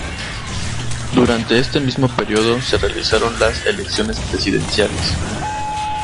Durante este mismo periodo se realizaron las elecciones presidenciales.